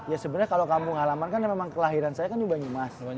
ya sebenernya kalo kampung halaman kan memang kelahiran saya kan di banyumas